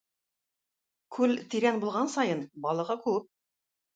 Күл тирән булган саен балыгы күп.